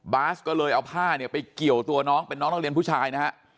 บาสก็เลยเอาผ้าเนี่ยไปเกี่ยวตัวน้องเป็นน้องนักเรียนผู้ชายนะฮะ